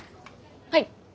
はい。